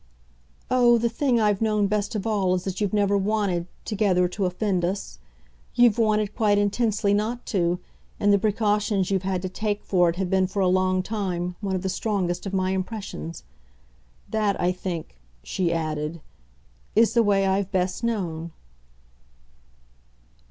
"Oh, the thing I've known best of all is that you've never wanted, together, to offend us. You've wanted quite intensely not to, and the precautions you've had to take for it have been for a long time one of the strongest of my impressions. That, I think," she added, "is the way I've best known."